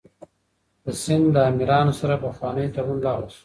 د سند له امیرانو سره پخوانی تړون لغوه شو.